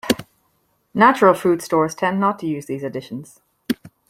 Natural food stores tend not to use these additions.